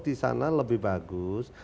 di sana lebih bagus